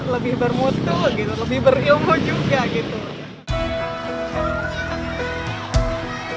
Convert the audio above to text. lebih bermutu gitu lebih berilmu juga gitu